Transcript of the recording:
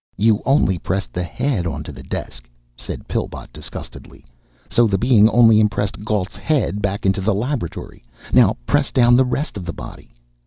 "You only pressed the head onto the desk," said Pillbot disgustedly, "so the Being only impressed Galt's head back into the laboratory. Now press down the rest of the body."